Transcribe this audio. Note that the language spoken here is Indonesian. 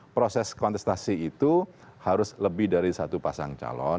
proses kontestasi itu harus lebih dari satu pasang calon